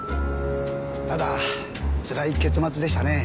ただつらい結末でしたね。